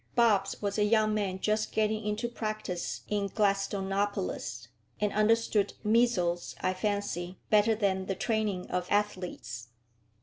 Bobbs was a young man just getting into practice in Gladstonopolis, and understood measles, I fancy, better than the training of athletes.